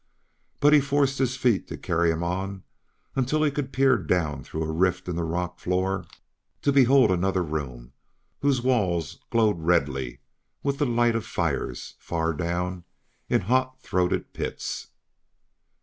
But he forced his feet to carry him on until he could peer down through a rift in the rock floor to behold another room whose walls glowed redly with the light of fires far down in hot throated pits.